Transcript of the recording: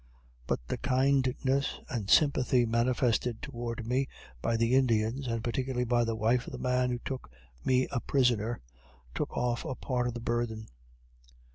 But the kindness and sympathy manifested toward me by the Indians, and particularly by the wife of the man who took me a prisoner, took off a part of the burthen.